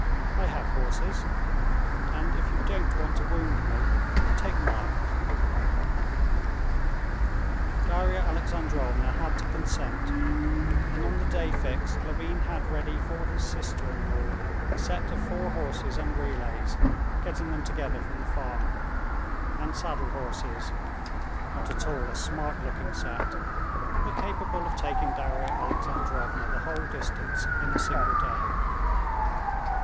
I have horses. And if you don't want to wound me, you'll take mine." Darya Alexandrovna had to consent, and on the day fixed Levin had ready for his sister in law a set of four horses and relays, getting them together from the farm and saddle horses—not at all a smart looking set, but capable of taking Darya Alexandrovna the whole distance in a single day.